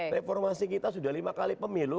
reformasi kita sudah lima kali pemilu